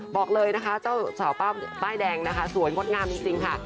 บอกเลยนะคะเจ้าสาวป้ายแดงนะคะสวยงดงามจริงค่ะ